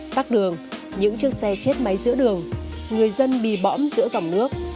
tắc đường những chiếc xe chết máy giữa đường người dân bị bõm giữa dòng nước